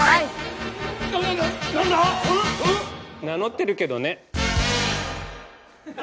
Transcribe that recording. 名乗ってるけどね。